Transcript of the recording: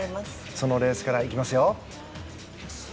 そのレースから行きますよ。